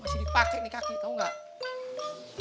masih dipakai nih kaki tau gak